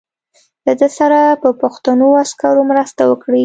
له ده سره به پښتنو عسکرو مرسته وکړي.